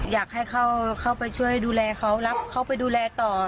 อยากให้เข้าไปช่วยดูแลเขารับเขาไปดูแลต่อ